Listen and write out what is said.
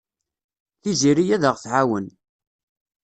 Tiziri ad aɣ-tɛawen.